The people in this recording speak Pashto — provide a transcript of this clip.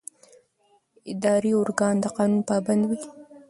اداري ارګان د قانون پابند دی.